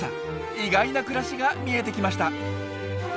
意外な暮らしが見えてきました！